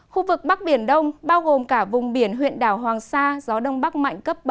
khu vực bắc biển đông bao gồm cả vùng biển huyện đảo hoàng sa gió đông bắc mạnh cấp bảy